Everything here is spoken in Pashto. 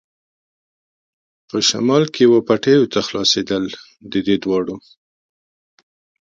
په شمال کې وه پټیو ته خلاصېدل، د دې دواړو.